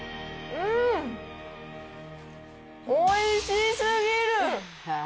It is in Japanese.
うーん、おいしすぎる！